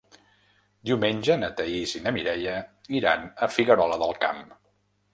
Diumenge na Thaís i na Mireia iran a Figuerola del Camp.